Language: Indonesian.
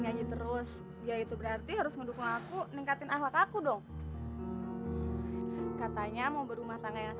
mau kemana mas